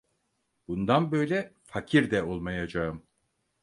Bundan böyle fakir de olmayacağım.